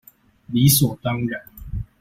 理所當然